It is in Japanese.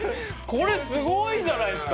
これすごいじゃないですか。